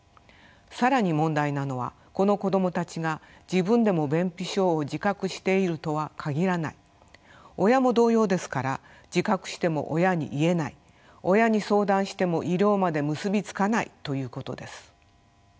更に問題なのはこの子どもたちが自分でも便秘症を自覚しているとは限らない親も同様ですから自覚しても親に言えない親に相談しても医療まで結び付かないということです。